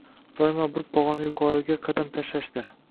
– doimo bir pog‘ona yuqoriga qadam tashlashdir.